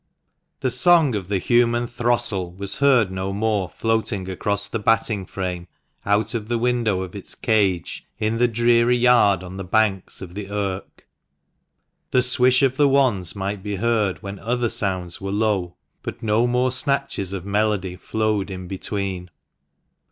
OHE song of the human throstle was heard no more floating across the batting frame out of the window of its cage, in the dreary yard on the banks of the Irk. The swish of the wands might be heard when other sounds were low, but no more snatches of melody flowed in between.